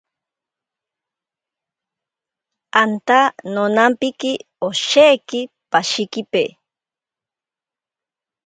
Anta nonampiki osheki pashikipe.